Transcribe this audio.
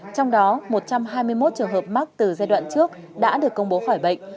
trong đó một trăm hai mươi một trường hợp mắc từ giai đoạn trước đã được công bố khỏi bệnh